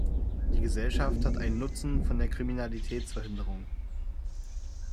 Die Gesellschaft hat einen Nutzen von der Kriminalitätsverhinderung.